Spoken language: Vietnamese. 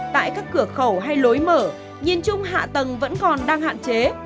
tại các cửa khẩu hay lối mở nhìn chung hạ tầng vẫn còn đang hạn chế